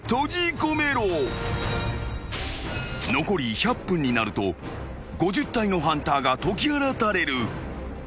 ［残り１００分になると５０体のハンターが解き放たれる］